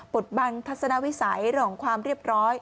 ดบังทัศนวิสัยเรื่องของความเรียบร้อย